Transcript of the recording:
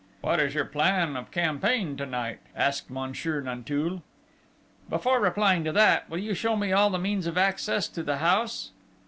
"What is your plan of campaign to night?" asked Monsieur Nanteuil. "Before replying to that, will you show me all the means of access to the house?"